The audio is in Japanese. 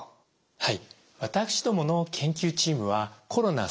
はい。